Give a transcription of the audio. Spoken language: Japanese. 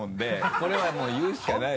これはもう言うしかない。